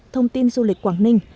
thông tin du lịch quảng ninh